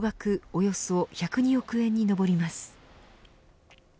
およそ１０２億円に上ります。